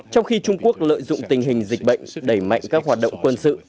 trong khi trung quốc lợi dụng tình hình dịch bệnh đẩy mạnh các hoạt động quân sự